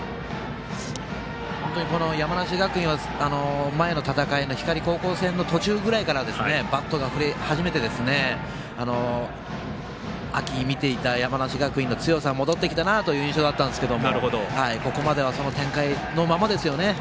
本当に山梨学院は前の戦いの光高校戦の途中ぐらいからバットが振れ始めて秋見ていた山梨学院の強さ戻ってきたなという印象だったんですけどここまではその展開のままです。